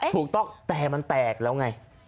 แตกแล้วไง